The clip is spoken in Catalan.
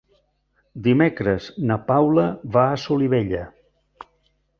Dimecres na Paula va a Solivella.